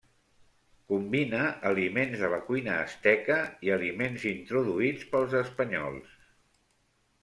Combina aliments de la cuina asteca i aliments introduïts pels espanyols.